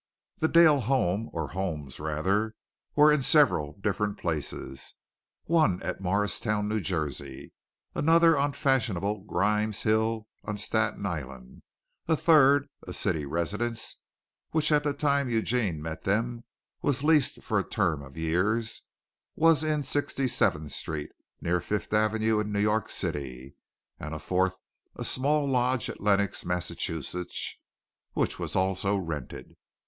The Dale home, or homes rather, were in several different places one at Morristown, New Jersey, another on fashionable Grimes Hill on Staten Island, a third a city residence, which at the time Eugene met them, was leased for a term of years was in Sixty seventh Street, near Fifth Avenue in New York City, and a fourth, a small lodge, at Lenox, Massachusetts, which was also rented.